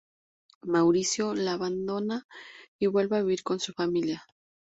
Mauricio la abandona y vuelve a vivir con su familia.